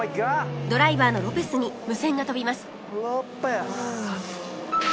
ドライバーのロペスに無線が飛びます